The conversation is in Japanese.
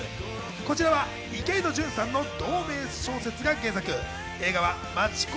こちらは池井戸潤さんの同名小説が原作。